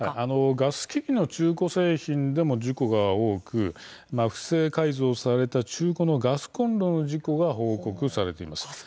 ガス機器の中古製品でも事故が多く不正改造された中古のガスコンロの事故が報告されています。